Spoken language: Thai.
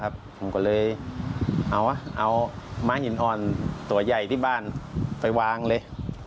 ผมก็เลยเอาม้าหินอ่อนตัวใหญ่ที่บ้านไปวางเลย